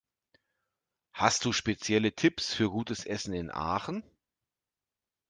Hast du spezielle Tipps für gutes Essen in Aachen?